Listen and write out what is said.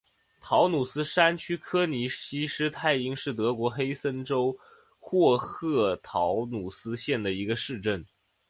陶努斯山区柯尼希施泰因是德国黑森州霍赫陶努斯县的一个市镇。